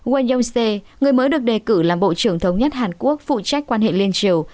way yong ste người mới được đề cử làm bộ trưởng thống nhất hàn quốc phụ trách quan hệ liên triều